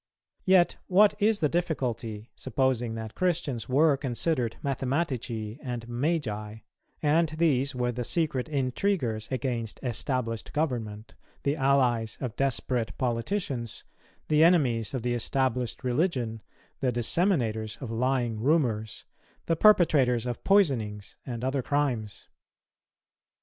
Yet what is the difficulty, supposing that Christians were considered mathematici and magi, and these were the secret intriguers against established government, the allies of desperate politicians, the enemies of the established religion, the disseminators of lying rumours, the perpetrators of poisonings and other crimes?